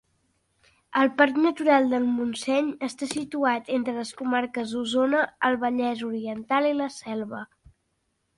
El Parc Natural del Montseny està situat entre les Comarques d'Osona, el Vallès Oriental i la Selva.